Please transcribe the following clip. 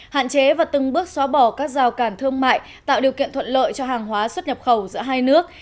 hạn chế và từng bước xóa bỏ các rào cản thương mại tạo điều kiện thuận lợi cho hàng hóa xuất nhập khẩu giữa hai nước